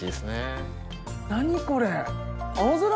何これ！